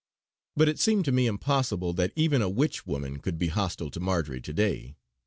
But it seemed to me impossible that even a witch woman could be hostile to Marjory to day.